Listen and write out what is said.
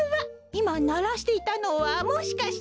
いまならしていたのはもしかして。